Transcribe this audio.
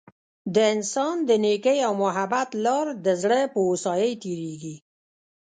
د انسان د نیکۍ او محبت لار د زړه په هوسايۍ تیریږي.